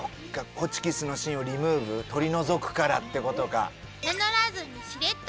ホチキスの芯をリムーブ取り除くからってことか。